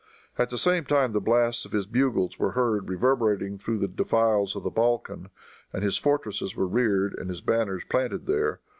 At the same time the blasts of his bugles were heard reverberating through the defiles of the Balkan, and his fortresses were reared and his banners planted there.